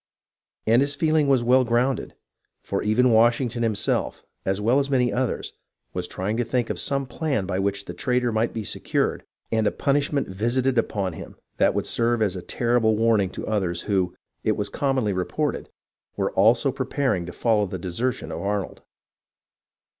And his feeling was well grounded, for even Washington himself, as well as many others, was trying to think of some plan by which the traitor might be secured and a punishment visited upon him that would serve as a terrible warning to others who, it was commonly reported, were also preparing to follow the desertion of Arnold.